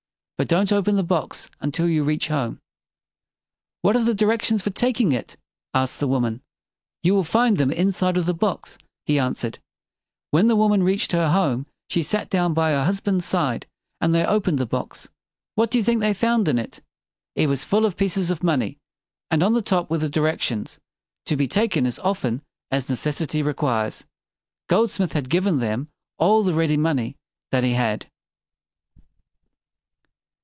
But don't open the box until you reach home." "What are the di rec tions for taking it?" asked the woman. "You will find them inside of the box," he answered. When the woman reached her home, she sat down by her husband's side, and they opened the box; What do you think they found in it? It was full of pieces of money. And on the top were the di rec tions: "TO BE TAKEN AS OFTEN AS NE CES SI TY REQUIRES." Goldsmith had given them all the ready money that he had.